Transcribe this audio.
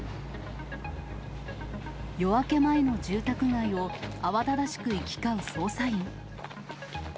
夜明け前の住宅街を慌ただしく行き交う捜査員。